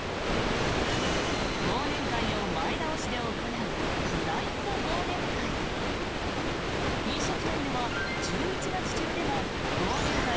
忘年会を前倒しで行うフライング忘年会。